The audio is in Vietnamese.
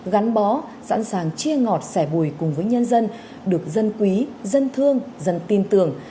gắn bó sẵn sàng chia ngọt sẻ bùi cùng với nhân dân được dân quý dân thương dân tin tưởng